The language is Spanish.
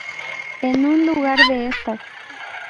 En lugar de estas.